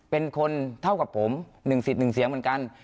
เป็นคนเท่ากับผม๑สิทธิ์๑เสียงเหมือนกัน